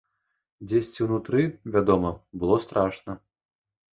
Дзесьці ўнутры, вядома, было страшна.